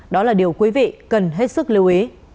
đó là điều quý vị cần hết sức lưu ý